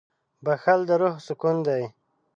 • بښل د روح سکون دی.